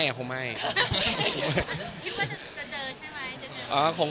คิดว่าจะเจอใช่มั้ย